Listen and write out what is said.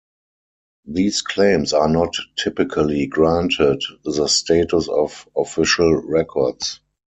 These claims are not typically granted the status of official records.